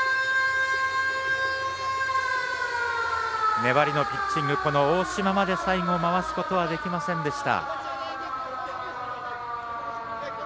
粘りのピッチング、大嶋まで最後回すことはできませんでした。